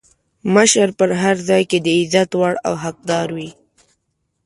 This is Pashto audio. مشر په هر ځای کې د عزت وړ او حقدار وي.